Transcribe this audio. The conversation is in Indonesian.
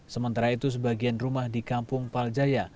sementara itu sebagian rumah di kampung paljaya